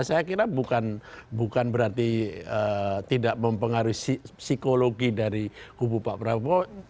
saya kira bukan berarti tidak mempengaruhi psikologi dari kubu pak prabowo